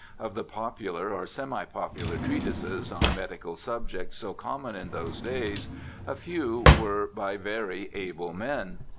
Of the popular or semi popular treatises on medical subjects so common in those days, a few were by very able men.